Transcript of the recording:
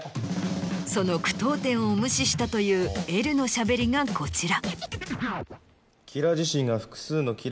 その句読点を無視したというＬのしゃべりがこちら。